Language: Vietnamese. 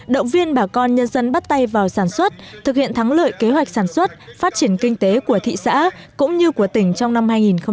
động viên bà con nhân dân bắt tay vào sản xuất thực hiện thắng lợi kế hoạch sản xuất phát triển kinh tế của thị xã cũng như của tỉnh trong năm hai nghìn một mươi chín